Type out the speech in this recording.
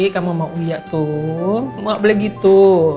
kamu sama uya tuh gak boleh gitu